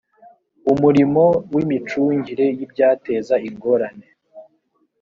umurimo w imicungire y ibyateza ingorane